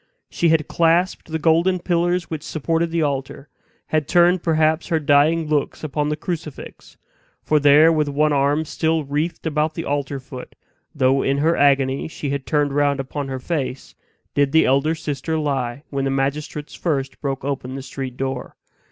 She had clasped the golden pillars which supported the altar had turned perhaps her dying looks upon the crucifix; for there, with one arm still wreathed about the altar foot, though in her agony she had turned round upon her face, did the elder sister lie when the magistrates first broke open the street door.